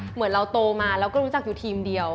เหมือนเราโตมาเราก็รู้จักอยู่ทีมเดียว